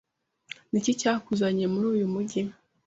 Ni iki cyakuzanye muri uyu mujyi?